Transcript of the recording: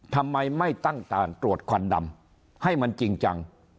ทำไมไม่ตั้งด่านตรวจควันดำให้มันจริงจัง